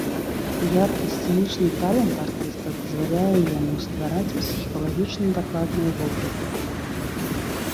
Яркі сцэнічны талент артыста дазваляе яму ствараць псіхалагічна дакладныя вобразы.